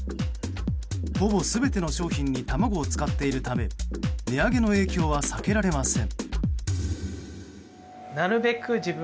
ほぼ全ての商品に卵を使っているため値上げの影響は避けられません。